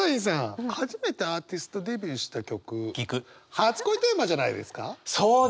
「初恋」テーマじゃないですか？